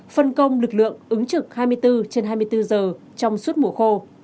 phân công lực lượng ứng trực hai mươi bốn trên hai mươi bốn giờ trong suốt mùa khô